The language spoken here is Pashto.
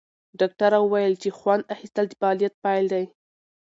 ډاکټره وویل چې خوند اخیستل د فعالیت پیل دی.